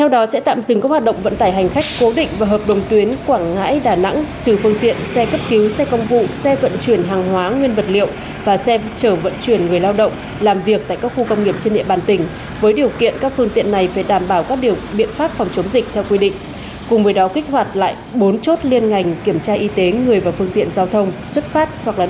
đến với một thông tin khác để ngăn chặn nguy cơ lây lan dịch bệnh giữa các tỉnh thành mới đây hoạt động vận tải hành khách cố định và hợp đồng tuyến quảng ngãi đà nẵng tạm dừng từ h ngày hai mươi tháng sáu bốn chốt y tế tái kích hoạt từ h ngày hai mươi tháng sáu để phòng chống dịch covid một mươi chín